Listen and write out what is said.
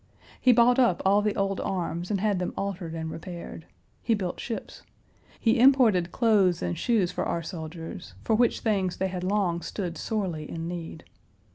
He bought up all the old arms and had them altered and repaired. He built ships. He imported clothes and shoes for our soldiers, for which things they had long stood sorely in need.